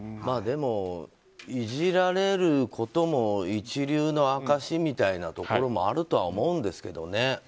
でも、いじられることも一流の証みたいなところもあるとは思うんですけどね。